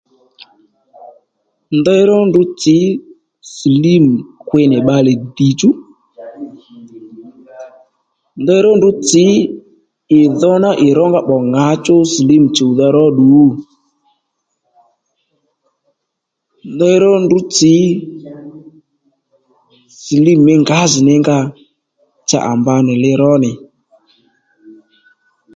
Ndeyró ndrǔ tsǐ silímù hwi nì bbalè dìchú ndeyró ndrǔ tsǐ ì dho ná ì rónga pbò ŋǎchú silímù chùwdha róddù ndeyró ndrǔ tsǐ silímù mí ngǎjìní nga cha à mba nì li ró nì